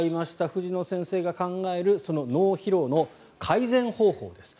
藤野先生が考える脳疲労の改善方法です。